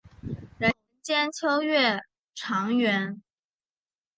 人间秋月长圆。